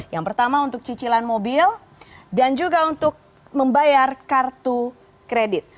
yang pertama untuk cicilan mobil dan juga untuk membayar kartu kredit